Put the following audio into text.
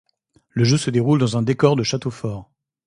Le jeu se déroule dans un décor de château fort.